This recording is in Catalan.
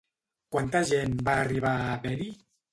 Quanta gent va arribar a haver-hi?